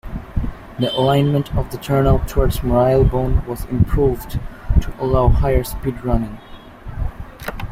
The alignment of the turnout towards Marylebone was improved to allow higher-speed running.